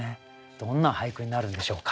どんな俳句になるんでしょうか。